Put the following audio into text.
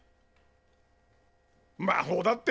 魔法だって？